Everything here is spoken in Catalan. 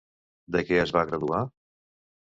De què es va graduar?